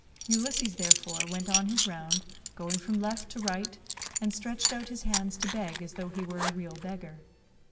Ulysses, therefore, went on his round, going from left to right, and stretched out his hands to beg as though he were a real beggar.